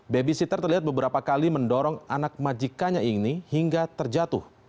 babysitter terlihat beberapa kali mendorong anak majikanya ini hingga terjatuh